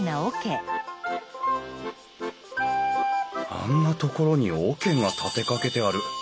あんなところに桶が立てかけてある。